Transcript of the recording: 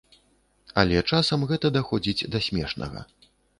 Але часам гэта даходзіць да смешнага.